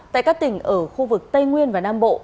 tại các tỉnh ở khu vực tây nguyên và nam bộ